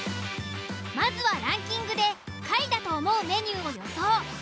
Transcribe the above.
まずはランキングで下位だと思うメニューを予想。